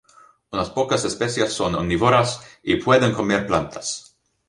Unas pocas especies son omnívoras y pueden comer plantas.